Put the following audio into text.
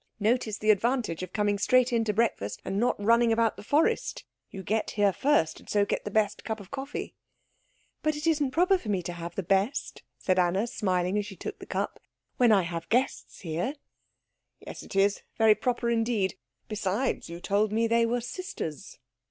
Notice the advantage of coming straight in to breakfast, and not running about the forest you get here first, and so get the best cup of coffee." "But it isn't proper for me to have the best," said Anna, smiling as she took the cup, "when I have guests here." "Yes, it is very proper indeed. Besides, you told me they were sisters."